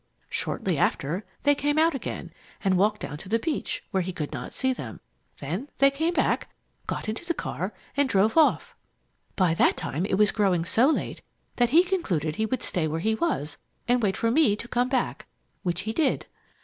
Shortly after, they came out again and walked down to the beach, where he could not see them. Then they came back, got into the car, and drove off. "By that time it was growing so late that he concluded he would stay where he was and wait for me to come back, which he did.